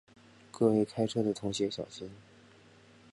各位开车的同学小心